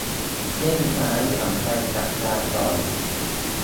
เล่มซ้ายสั่งไปสัปดาห์ก่อน